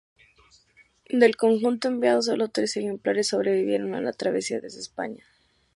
Del conjunto enviado, sólo tres ejemplares sobrevivieron a la travesía desde España.